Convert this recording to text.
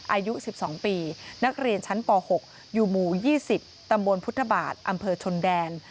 อายุ๑๒ปีนักเรียนชั้นป๖อยู่หมู่๒๐ตำบลพุทธบาทอำเภอชนแดน